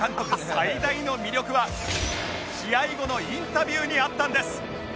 最大の魅力は試合後のインタビューにあったんです